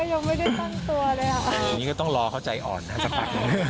อย่างนี้ก็ต้องรอเขาใจอ่อนสักปัก